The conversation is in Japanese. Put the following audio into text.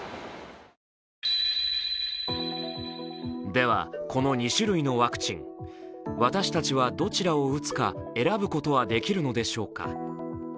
では、この２種類のワクチン、私たちはどちらを打つか選ぶことはできるのでしょうか。